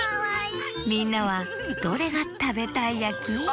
みんなはどれがたべたいやき？